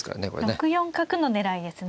６四角の狙いですね。